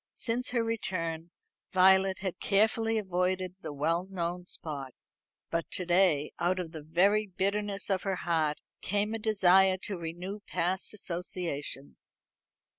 Since her return Violet had carefully avoided the well known spot; but to day, out of the very bitterness of her heart, came a desire to renew past associations.